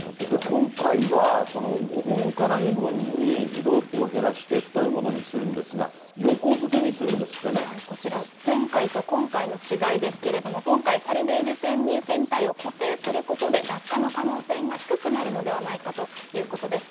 今回は、その５本から２本にロープを減らして、太いものにするんですが、こちら、前回と今回の違いですけれども、今回、サルベージ船に船体を固定することで、落下の可能性が低くなるのではないかということです。